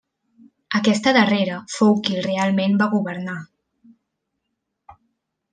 Aquesta darrera fou qui realment va governar.